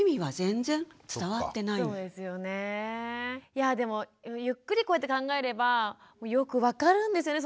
いやあでもゆっくりこうやって考えればよく分かるんですよね